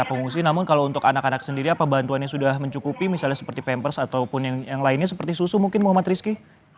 pengungsi namun kalau untuk anak anak sendiri apa bantuan yang sudah mencukupi misalnya seperti pampers ataupun yang lainnya seperti susu mungkin muhammad rizky